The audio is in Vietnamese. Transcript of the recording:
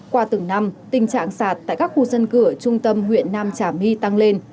qua từng năm tình trạng sạt tại các khu dân cư ở trung tâm huyện nam trà my tăng lên